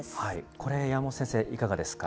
これ、山本先生、いかがですか。